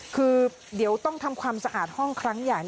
คือเดี๋ยวต้องทำความสะอาดห้องครั้งใหญ่